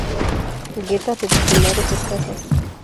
Grietas reticulares escasas.